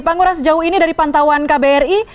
pak ngurah sejauh ini dari pantauan kbri